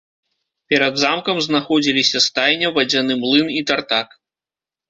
Перад замкам знаходзіліся стайня, вадзяны млын і тартак.